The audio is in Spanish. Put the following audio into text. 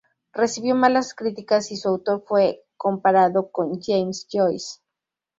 Recibió malas críticas y su autor fue comparado con James Joyce.